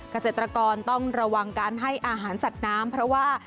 เกษตรกรต้องระวังการให้อาหารสัตว์น้ำเพราะว่า